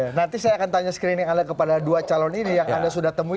nanti saya akan tanya screening anda kepada dua calon ini yang anda sudah temui